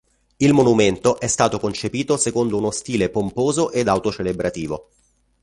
Il monumento è stato concepito secondo uno stile pomposo ed auto-celebrativo.